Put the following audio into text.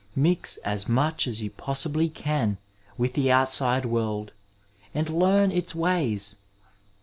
Mix as much as you possibly can with the outade world, and learn its ways.